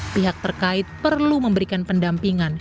pihak terkait perlu memberikan pendampingan